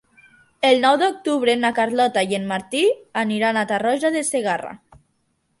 El nou d'octubre na Carlota i en Martí aniran a Tarroja de Segarra.